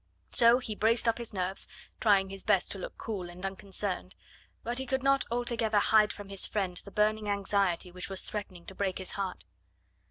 So he braced up his nerves, trying his best to look cool and unconcerned, but he could not altogether hide from his friend the burning anxiety which was threatening to break his heart.